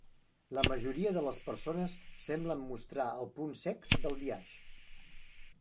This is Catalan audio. La majoria de les persones semblen mostrar el punt cec del biaix.